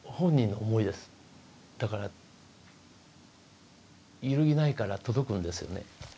だから揺るぎないから届くんですよね